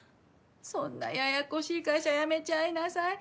そんなややこしい会社辞めちゃいなさい。